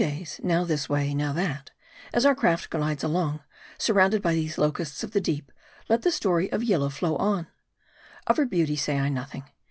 days, now this way, now that, as our craft glides along, surrounded by these locusts of the deep, let the story of Yillah flow on. Of her beauty say I nothing.